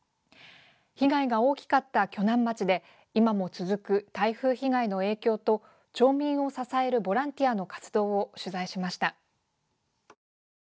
被害が大きかった鋸南町で今も続く台風被害の影響と町民を支えるボランティアの活動を取材しました。